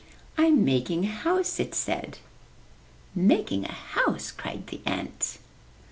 'Tm making a house,'* it said. ''Making a house!'' cried the ant.